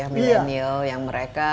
yang milenial yang mereka